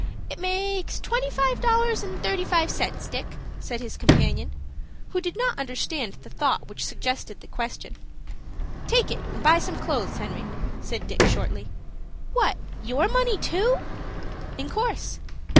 "It makes twenty five dollars and thirty five cents, Dick," said his companion, who did not understand the thought which suggested the question. "Take it, and buy some clothes, Henry," said Dick, shortly. "What, your money too?" "In course."